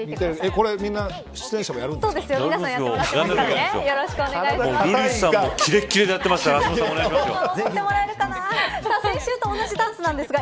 これ、みんな出演者もやるんですか。